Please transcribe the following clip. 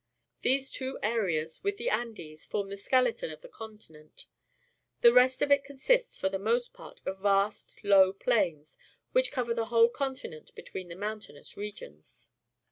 These two areas, with the Andes, form the skeleton of the continent. The rest of it consists, for the most part, of vast, low plains, which cover the whole continent between the mountainous regions.